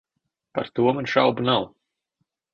Par to man šaubu nav.